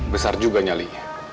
besar juga nyali